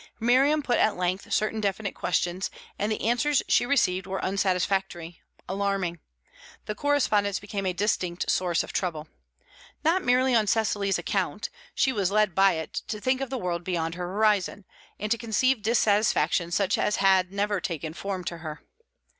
Miriam put at length certain definite questions, and the answers she received were unsatisfactory, alarming. The correspondence became a distinct source of trouble. Not merely on Cecily's account; she was led by it to think of the world beyond her horizon, and to conceive dissatisfactions such as had never taken form to her.